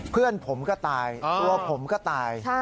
เพื่อนผมก็ตายตัวผมก็ตาย